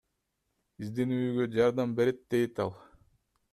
Изденүүгө жардам берет дейт ал.